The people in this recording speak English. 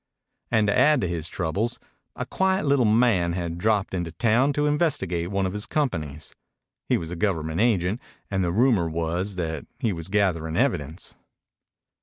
And, to add to his troubles, a quiet little man had dropped into town to investigate one of his companies. He was a Government agent, and the rumor was that he was gathering evidence.